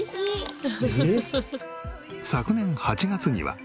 昨年８月には。